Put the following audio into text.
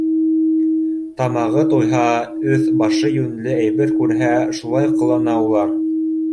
Тамағы туйһа, өҫ-башы йүнле әйбер күрһә, шулай ҡылана улар.